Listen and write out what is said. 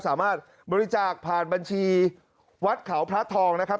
สามารถบริจาคผ่านบัญชีวัดเขาพระทองนะครับ